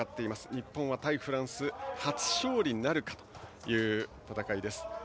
日本は対フランスで初勝利なるかという戦い。